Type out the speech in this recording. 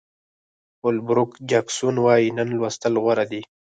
هول بروک جاکسون وایي نن لوستل غوره دي.